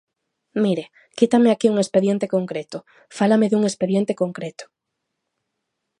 Mire, quítame aquí un expediente concreto, fálame dun expediente concreto.